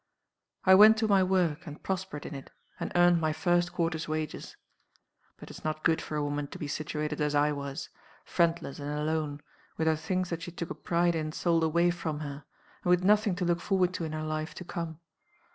"I went to my work and prospered in it and earned my first quarter's wages. But it's not good for a woman to be situated as I was; friendless and alone, with her things that she took a pride in sold away from her, and with nothing to look forward to in her life to come.